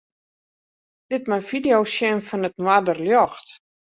Lit my fideo's sjen fan it noarderljocht.